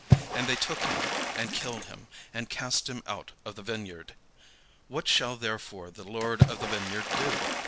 And they took him, and killed him, and cast him out of the vineyard. What shall therefore the lord of the vineyard do?